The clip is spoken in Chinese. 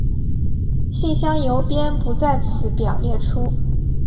信箱邮编不在此表列出。